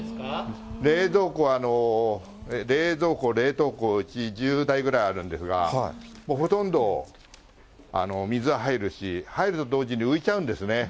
冷蔵庫、冷凍庫、うち、１０台ぐらいあるんですが、もうほとんど、水は入るし、入ると同時に浮いちゃうんですね。